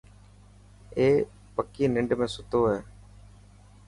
اي پڪي ننڊ ۾ ستو تو.